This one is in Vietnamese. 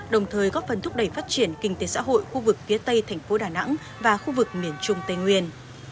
đồng thời góp phần thúc đẩy phát triển kinh tế xã hội khu vực phía tây thành phố đà nẵng và khu vực miền trung tây nguyên